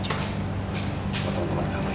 bawa temen temen kamu ya